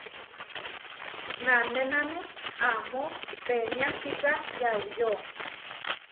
Nanénane amó peniásika yauyó.